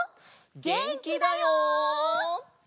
げんきだよ！